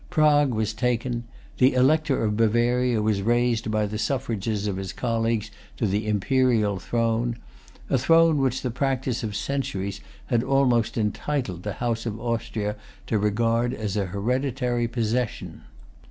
Prague was taken. The Elector of Bavaria was raised by the suffrages of his colleagues to the Imperial throne,—a throne which the practice of centuries had almost entitled the House of Austria to regard as a hereditary possession.